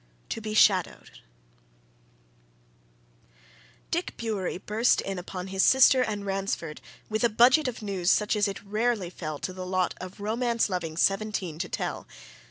TO BE SHADOWED Dick Bewery burst in upon his sister and Ransford with a budget of news such as it rarely fell to the lot of romance loving seventeen to tell.